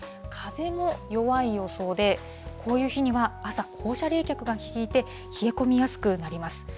風も弱い予想で、こういう日には朝、放射冷却が効いて、冷え込みやすくなります。